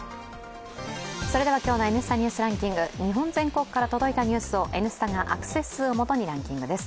それでは今日の「Ｎスタ・ニュースランキング」日本全国から届いたニュースを「Ｎスタ」がアクセス数をもとにランキングです。